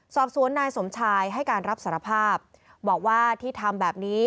สอบสวนนายสมชายให้การรับสารภาพบอกว่าที่ทำแบบนี้